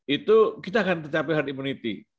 itu kita akan tercapai herd immunity